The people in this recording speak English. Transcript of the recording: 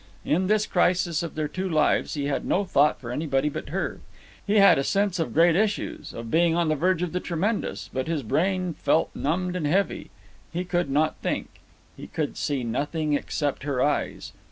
In this crisis of their two lives he had no thought for anybody but her. He had a sense of great issues, of being on the verge of the tremendous; but his brain felt numbed and heavy. He could not think. He could see nothing except her eyes.